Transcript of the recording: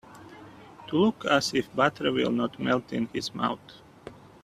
To look as if butter will not melt in his mouth.